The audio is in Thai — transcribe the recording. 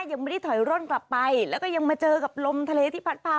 ยังไม่ได้ถอยร่นกลับไปแล้วก็ยังมาเจอกับลมทะเลที่พัดพา